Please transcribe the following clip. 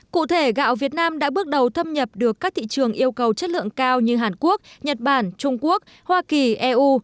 cụ thể gạo việt nam đã bước đầu thâm nhập được các thị trường yêu cầu chất lượng cao như hàn quốc nhật bản trung quốc hoa kỳ eu